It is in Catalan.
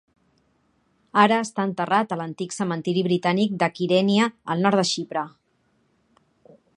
Ara està enterrat a l'antic cementiri britànic de Kyrenia, al nord de Xipre.